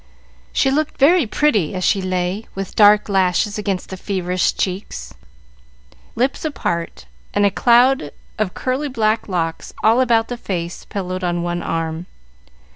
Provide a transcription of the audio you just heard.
She looked very pretty as she lay, with dark lashes against the feverish cheeks, lips apart, and a cloud of curly black locks all about the face pillowed on one arm.